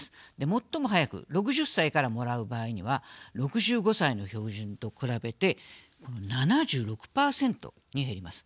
最も早く６０歳からもらう場合には６５歳の標準と比べて７６％に減ります。